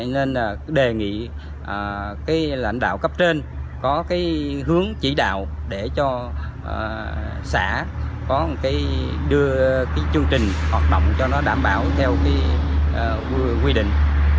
nên đề nghị lãnh đạo cấp trên có cái hướng chỉ đạo để cho xã có một cái chương trình hoạt động cho nó đảm bảo theo quy định